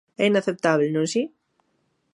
É inaceptábel, non si?